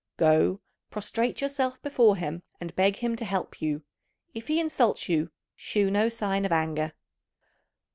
Go, prostrate yourself before him, and beg him to help you. If he insults you, shew no sign of anger."